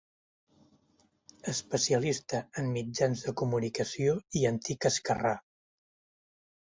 Especialista en mitjans de comunicació i antic Esquerrà!